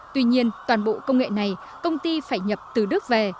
tuy nhiên toàn bộ công nghệ này công ty phải nhập từ đức về